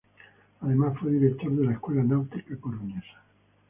Además fue director de la Escuela Náutica coruñesa.